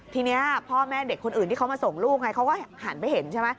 ทีนี้พ่อแม่เด็กคนอื่นที่เขามาส่งลูกไงเขาก็หันไปเห็นใช่ไหม